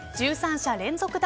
１３者連続